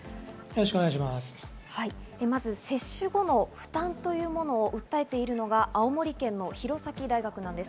接種後の負担というものを訴えているのが青森県の弘前大学です。